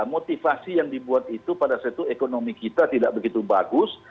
motivasi yang dibuat itu pada saat itu ekonomi kita tidak begitu bagus